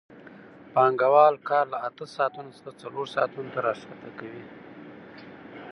پانګوال کار له اته ساعتونو څخه څلور ساعتونو ته راښکته کوي